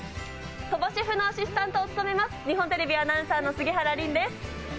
鳥羽シェフのアシスタントを務めます、日本テレビアナウンサーの杉原凜です。